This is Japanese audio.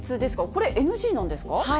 これ、ＮＧなんですか？